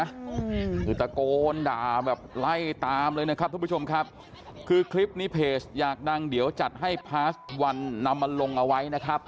คือตะโกนด่าแบบไล่ตามเลยนะครับทุกผู้ชมครับคือคลิปนี้เพจอยากดังเดี๋ยวจัดให้พาสวันนำมาลงเอาไว้นะครับ